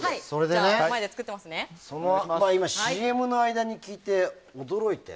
今、ＣＭの間に聞いて驚いて。